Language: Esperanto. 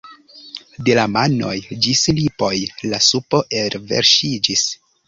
De la manoj ĝis lipoj la supo elverŝiĝis.